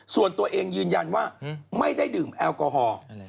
ส่วนตัวเองยืนยันว่าไม่ได้ดื่มแอลกอฮอล์